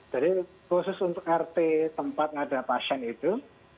jadi khusus untuk rt tempat ada pasien itu